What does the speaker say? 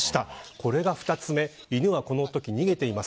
これが２つ目犬はこのとき、逃げています。